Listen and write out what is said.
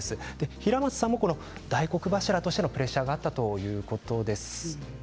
平松さんもこの大黒柱としてのプレッシャーがあったということです。